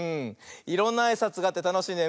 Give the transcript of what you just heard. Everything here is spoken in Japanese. いろんなあいさつがあってたのしいね。